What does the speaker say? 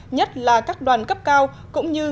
nhất là các đoàn cấp cao cũng như